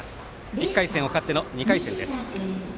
１回戦を勝っての２回戦です。